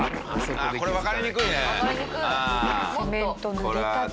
これわかりにくいね。